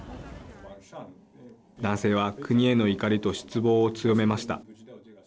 男性は国への怒りと失望を強めました。